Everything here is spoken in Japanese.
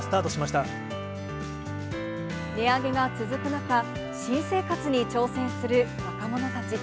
値上げが続く中、新生活に挑戦する若者たち。